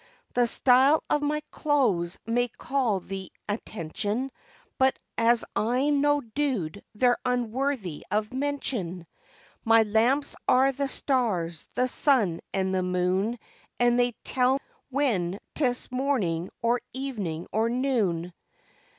The style of my clothes may call the attention, But as I'm no dude they're unworthy of mention. My lamps are the stars, the sun and the moon, And they tell when 'tis morning or evening or noon.